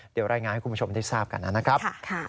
เดี๋ยวรายงานให้คุณผู้ชมได้ทราบกันนะครับ